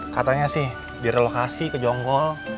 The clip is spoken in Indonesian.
katanya sih direlokasi ke jonggol